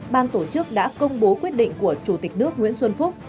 ban tổ chức đã công bố quyết định của chủ tịch nước nguyễn xuân phúc